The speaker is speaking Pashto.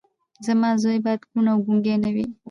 زما زوی باید کوڼ او ګونګی نه وي